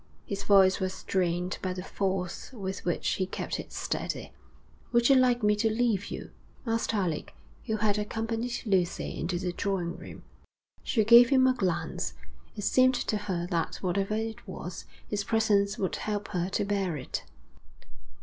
His voice was strained by the force with which he kept it steady. 'Would you like me to leave you?' asked Alec, who had accompanied Lucy into the drawing room. She gave him a glance. It seemed to her that whatever it was, his presence would help her to bear it.